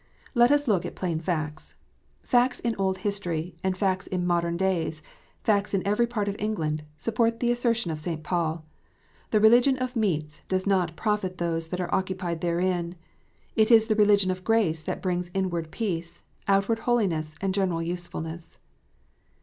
Let us look at plain facts. Facts in old history, and facts in modern days, facts in every part of England, support the assertion of St. Paul. The religion of "meats "does "not profit those that are occupied therein." It is the religion of grace that brings inward peace, outward holiness, and general usefulness.